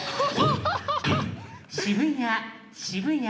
渋谷